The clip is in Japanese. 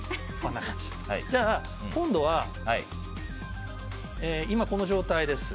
じゃあ、今度は今、この状態です。